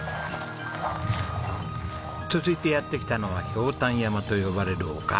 続いてやって来たのはひょうたん山と呼ばれる丘。